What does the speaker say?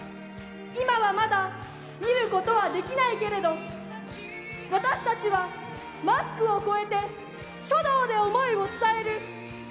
今はまだ見ることはできないけれど、私たちはマスクを超えて、書道で思いを伝える。